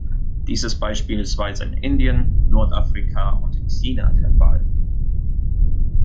Dies ist beispielsweise in Indien, Nordafrika und in China der Fall.